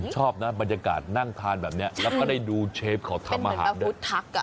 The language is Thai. ชอบนะบรรยากาศนั่งทานแบบนี้แล้วก็ได้ดูเชฟเขาทำอาหารด้วย